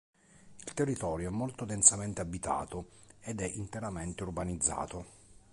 Il territorio è molto densamente abitato ed è interamente urbanizzato.